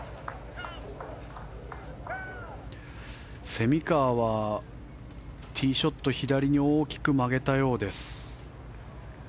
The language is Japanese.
蝉川はティーショット左に大きく曲げたようです。